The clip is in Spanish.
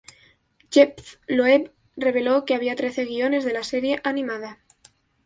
Jeph Loeb reveló que había trece guiones de la serie animada.